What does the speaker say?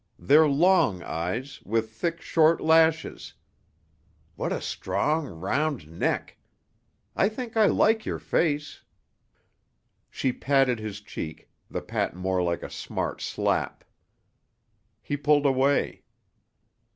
They're long eyes, with thick, short lashes. What a strong, round neck! I think I like your face." She patted his cheek, the pat more like a smart slap. He pulled away.